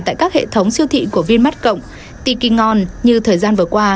tại các hệ thống siêu thị của vinmart cộng tiki ngon như thời gian vừa qua